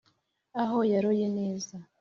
Aho yaroye neza